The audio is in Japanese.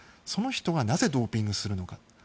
その人がなぜドーピングするのか。